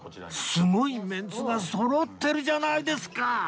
すごいメンツがそろってるじゃないですか！